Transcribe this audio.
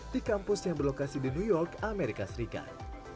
di kampus yang berlokasi di new york amerika serikat